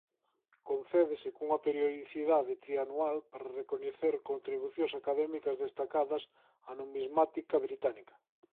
Concédese cunha periodicidade trianual para recoñecer contribucións académicas destacadas á numismática británica.